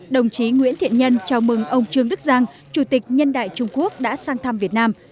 đồng chí nguyễn thiện nhân chào mừng ông trương đức giang chủ tịch nhân đại trung quốc đã sang thăm việt nam